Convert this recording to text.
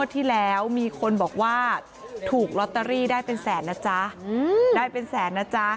ที่แล้วมีคนบอกว่าถูกลอตเตอรี่ได้เป็นแสนนะจ๊ะได้เป็นแสนนะจ๊ะ